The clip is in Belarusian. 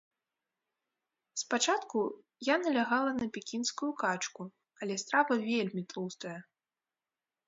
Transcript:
Спачатку я налягала на пекінскую качку, але страва вельмі тлустая.